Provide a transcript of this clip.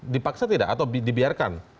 dipaksa tidak atau dibiarkan